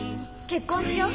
結婚しよう。